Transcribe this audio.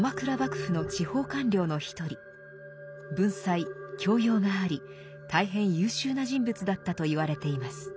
文才教養があり大変優秀な人物だったといわれています。